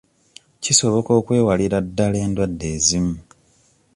Kisoboka okwewalira ddala endwadde ezimu.